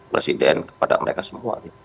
presiden kepada mereka semua